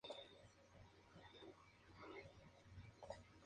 Los eurodiputados se eligen en cada Estado miembro por separado.